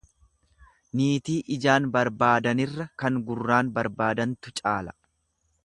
Niitii ijaan barbaadanirra kan gurraan barbaadantu caala.